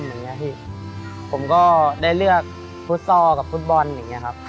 คนดังนี้ผมก็ได้เลือกฟุตซอลกับฟุตบอลอย่างนี้ครับ